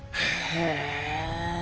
へえ！